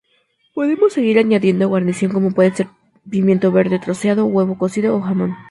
Podemos seguir añadiendo guarnición, como puede ser pimiento verde troceado, huevo cocido o jamón.